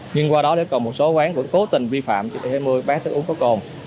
nhưng qua đó có một số quán vẫn cố tình vi phạm chỉ thị hai mươi bán thức uống có cồn